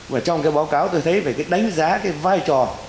mà trong cái báo cáo tôi thấy phải đánh giá cái vai trò